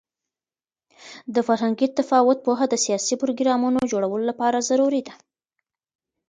د فرهنګي تفاوت پوهه د سیاسي پروګرامونو جوړولو لپاره ضروري ده.